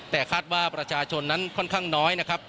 แต่คาดว่าประชาชนนั้นค่อนข้างน้อยนะครับ